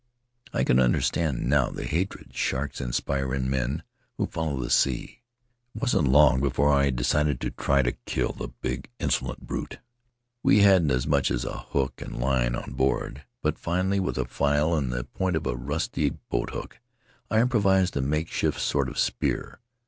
I can understand now the hatred sharks inspire in men who follow the sea — it wasn't long before I decided to try to kill the big, insolent brute. We hadn't as much as a hook and line on board, but finally, with a file and the point of a rusty boat hook, I improvised a makeshift sort of spear.